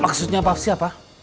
maksudnya apa sih apa